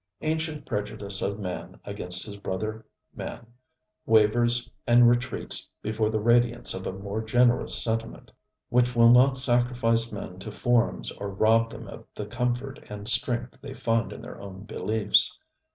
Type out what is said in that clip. Ancient prejudice of man against his brother man wavers and retreats before the radiance of a more generous sentiment, which will not sacrifice men to forms, or rob them of the comfort and strength they find in their own beliefs.